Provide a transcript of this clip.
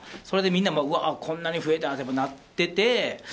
それでみんなこんなに増えたってなってて。